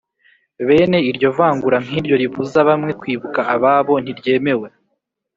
bene iryo vangura nk'iryo ribuza bamwe kwibuka ababo ntiryemewe,